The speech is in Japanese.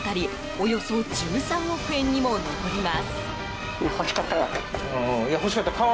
およそ１３億円にも上ります。